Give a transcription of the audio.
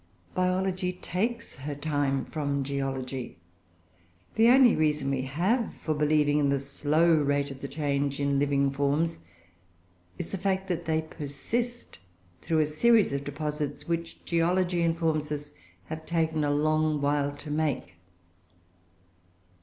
Biology takes her time from geology. The only reason we have for believing in the slow rate of the change in living forms is the fact that they persist through a series of deposits which, geology informs us, have taken a long while to make.